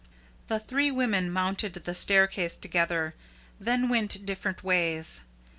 The three women mounted the staircase together, then went different ways.